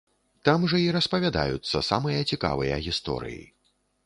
Там жа і распавядаюцца самыя цікавыя гісторыі.